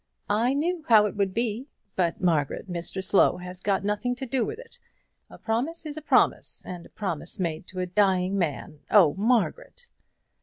"I knew how it would be. But, Margaret, Mr Slow has got nothing to do with it. A promise is a promise; and a promise made to a dying man! Oh, Margaret!"